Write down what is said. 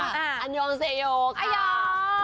อันยองเซโยค่ะ